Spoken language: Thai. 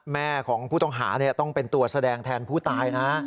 แม่ของผู้ต้องหาต้องเป็นตัวแสดงแทนผู้ตายนะ